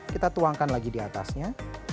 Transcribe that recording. kita tuangkan lagi di atasnya